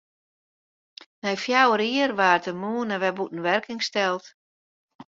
Nei fjouwer jier waard de mûne wer bûten wurking steld.